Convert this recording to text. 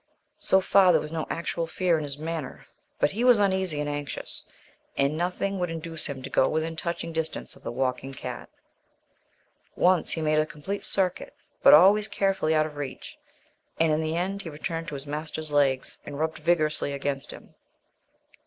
So far there was no actual fear in his manner, but he was uneasy and anxious, and nothing would induce him to go within touching distance of the walking cat. Once he made a complete circuit, but always carefully out of reach; and in the end he returned to his master's legs and rubbed vigorously against him.